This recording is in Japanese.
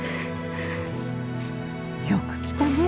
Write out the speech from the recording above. よく来たね。